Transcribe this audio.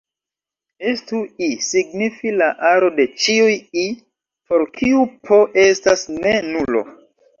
Estu "I" signifi la aro de ĉiuj "i" por kiu "p" estas ne nulo.